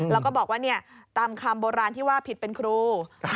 แล้วก็บอกว่าตามคำโบราณที่ว่าผิดเป็นครู